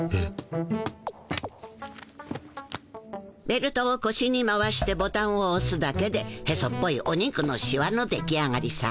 ベルトをこしに回してボタンをおすだけでヘソっぽいお肉のしわの出来上がりさ。